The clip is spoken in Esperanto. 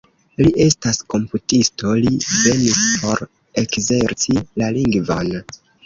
Li estas komputisto, li venis por ekzerci la lingvon.